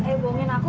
ayah bohongin aku